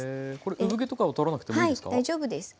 産毛とかを取らなくてもいいですか？